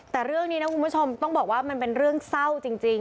แต่เรื่องนี้นะคุณผู้ชมต้องบอกว่ามันเป็นเรื่องเศร้าจริง